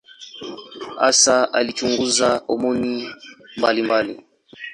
Hasa alichunguza homoni mbalimbali.